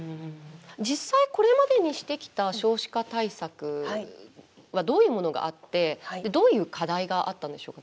実際これまでにしてきた少子化対策はどういうものがあってどういう課題があったんでしょうか？